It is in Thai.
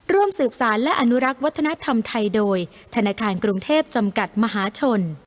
ร่วมสืบสารและอนุรักษ์วัฒนธรรมไทยโดยธนาคารกรุงเทพจำกัดมหาชน